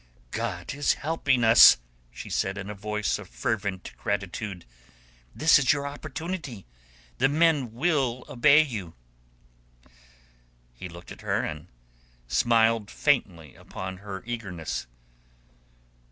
"God is helping us!" she said in a voice of fervent gratitude. "This is your opportunity. The men will obey you." He looked at her, and smiled faintly upon her eagerness.